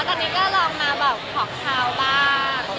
ตอนนี้ก็ลองมาแบบขอบคาวบ้าง